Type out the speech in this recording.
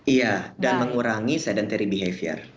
iya dan mengurangi sedentary behavior